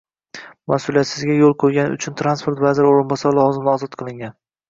Masʼuliyatsizlikka yoʻl qoʻygani uchun transport vaziri oʻrinbosari lavozimidan ozod qilingan.